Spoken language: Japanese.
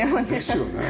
ですよね。